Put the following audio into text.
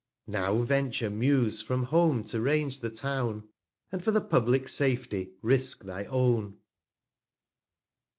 Now venture, Muse, from Home to range the Town, And for the publick Safety risque thy own.